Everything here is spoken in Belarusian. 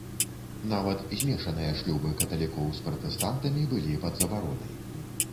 Нават змешаныя шлюбы каталікоў з пратэстантамі былі пад забаронай.